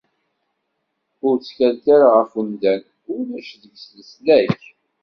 Ur ttkalet ara ɣef umdan, Ulac deg-s leslak.